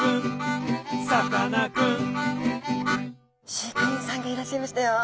飼育員さんがいらっしゃいましたよ。